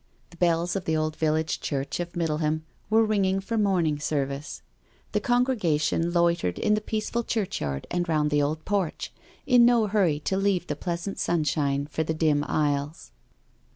The bells of the old village church of Middleham were ringing for morning service. The congregation loitered in the peaceful churchyard and round the old porch, in no hurry to leave the pleasant sunshine for the dim aisles.